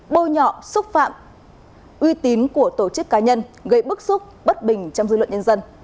bôi nhọ xúc phạm uy tín của tổ chức cá nhân gây bức xúc bất bình trong dư luận nhân dân